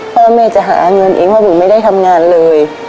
เพราะว่าแม่จะหาเงินเองเพราะว่าบุ๋งไม่ได้ทำงานเลย